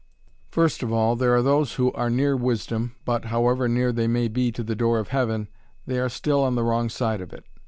First of all, there are those who are near wisdom, but, however near they may be to the door of Heaven, they are still on the wrong side of it.